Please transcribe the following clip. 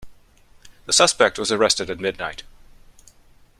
The suspect was arrested at midnight